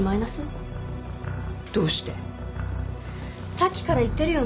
さっきから言ってるよね。